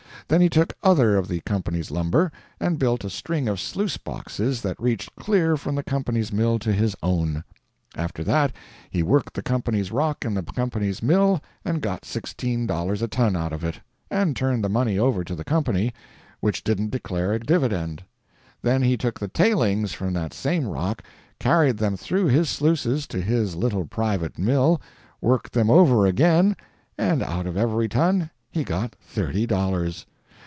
Then he took other of the company's lumber, and built a string of sluice boxes that reached clear from the company's mill to his own. After that he worked the company's rock in the company's mill and got sixteen dollars a ton out of it—and turned the money over to the company—which didn't declare a dividend. Then he took the "tailings" from that same rock, carried them through his sluices to his little private mill, worked them over again, and out of every ton he got thirty dollars!